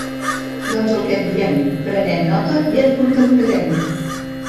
Doncs el que et diem: prenem nota i et contactarem.